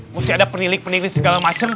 gua sih ada penilik penilik segala macem